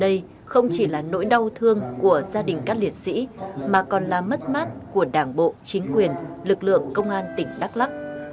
đây không chỉ là nỗi đau thương của gia đình các liệt sĩ mà còn là mất mát của đảng bộ chính quyền lực lượng công an tỉnh đắk lắc